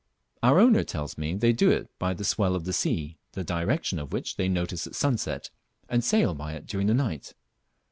Our owner tells me they do it by the swell of the sea, the direction of which they notice at sunset, and sail by it during the night.